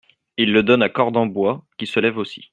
Il le donne à Cordenbois, qui se lève aussi.